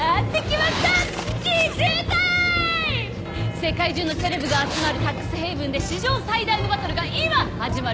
世界中のセレブが集まるタックスヘイブンで史上最大のバトルが今始まる！